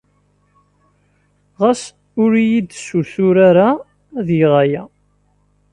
Ɣas ur iyi-d-ssutur ara ad geɣ aya.